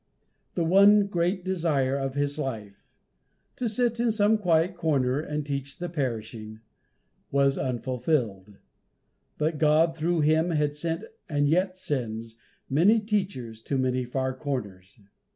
The one great desire of his life, "to sit in some quiet corner and teach the perishing," was unfulfilled; but God through him had sent, and yet sends, many teachers to many far corners.